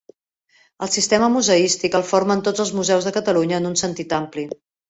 El sistema museístic el formen tots els museus de Catalunya en un sentit ampli.